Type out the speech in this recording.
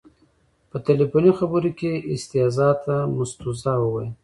په تلیفوني خبرو کې یې استیضاح ته مستوزا وویل.